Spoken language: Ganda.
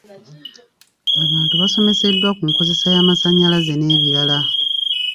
Abantu basomeseddwa ku nkozesa y'amasannyalaze n'ebirala.